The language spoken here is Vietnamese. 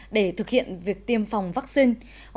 để thực hiện việc tiêm phòng vaccine